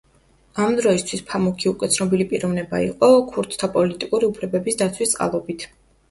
ამ დროისთვის ფამუქი უკვე ცნობილი პიროვნება იყო, ქურთთა პოლიტიკური უფლებების დაცვის წყალობით.